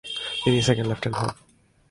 তিনি second lieutenant হন।